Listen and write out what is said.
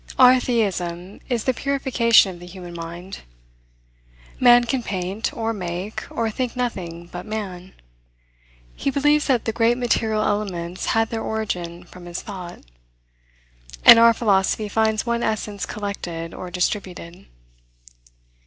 Our theism is the purification of the human mind. Man can paint, or make, or think nothing but man. He believes that the great material elements had their origin from his thought. And our philosophy finds one essence collected or distributed.